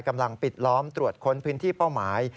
กำลังปิดล้อมตรวจค้นพื้นที่เป้าหมาย